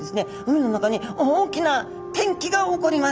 海の中に大きな転機が起こります。